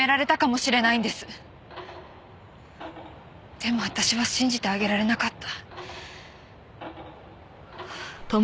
でも私は信じてあげられなかった。